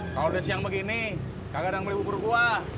kalau udah siang begini kagak ada yang beli bubur kuah